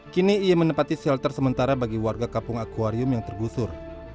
kini ia menempati shelter sementara bagi warga kampung akwarium yang tergusur